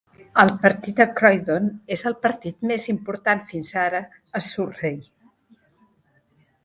El partit a Croydon és el partit més important fins ara a Surrey.